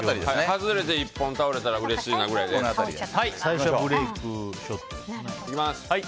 外れて１本倒れたらうれしいなくらいの感じで。